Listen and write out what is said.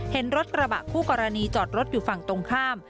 เห็นรถกระบะคู่กรณีจอดรถอยู่ฝั่งตรงข้าม